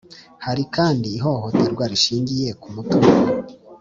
Hari kandi ihohoterwa rishingiye ku mutungo